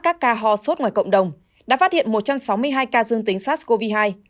các ca ho sốt ngoài cộng đồng đã phát hiện một trăm sáu mươi hai ca dương tính sars cov hai